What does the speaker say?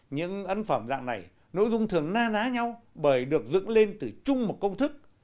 những ấn phẩm dạng này nội dung thường na ná nhau bởi được dựng lên từ chung một công thức